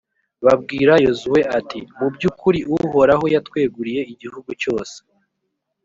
babwira yozuwe bati «mu by’ukuri, uhoraho yatweguriye igihugu cyose.